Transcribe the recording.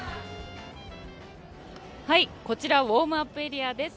こちらウォームアップエリアです。